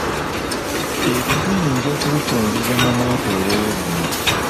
Ebyo tuyinza okubifunziza mu mwetoloolo guno.